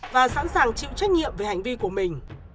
và sẵn sàng chịu trách nhiệm về hành vi của mình